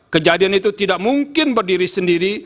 kejadian itu tidak mungkin berdiri sendiri